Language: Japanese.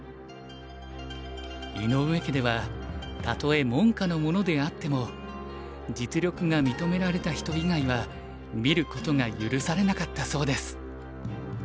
井上家ではたとえ門下の者であっても実力が認められた人以外は見ることが許されなかったそうです。